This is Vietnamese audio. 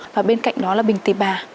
và bên cạnh đó là bình tì bà